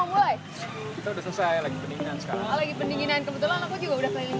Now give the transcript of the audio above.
oke jadi sekarang kita mau challenge